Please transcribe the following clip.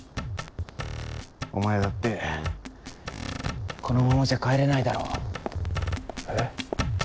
お前だってこのままじゃ帰れないだろ？え？